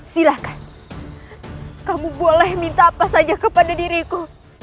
silahkan kamu boleh minta apa saja kepada diriku